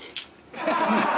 「ハハハハ！」